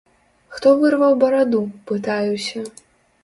Хто вырваў бараду, пытаюся?